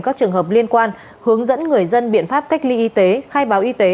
các trường hợp liên quan hướng dẫn người dân biện pháp cách ly y tế khai báo y tế